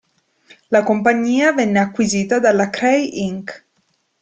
La compagnia venne acquisita dalla Cray Inc.